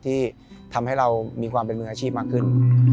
ที่ทำให้เรามีความเป็นมืออาชีพมากขึ้น